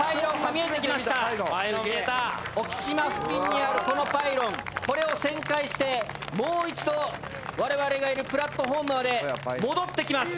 沖島付近にあるこのパイロンこれを旋回してもう一度我々がいるプラットホームまで戻ってきます。